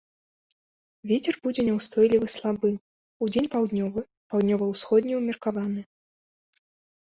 Вецер будзе няўстойлівы слабы, удзень паўднёвы, паўднёва-ўсходні ўмеркаваны.